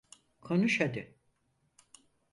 Konuş hadi.